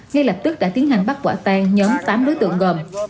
ngay lập tức đã tiến hành bắt quả tan nhóm tám đối tượng gồm